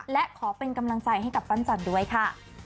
และขอเป็นกำลังใจให้กับปั้นจันด้วยค่ะ